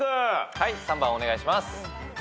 はい３番お願いします。